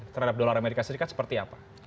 terhadap dolar as seperti apa